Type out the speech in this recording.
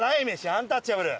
アンタッチャブル